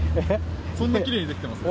そんなきれいにできてます？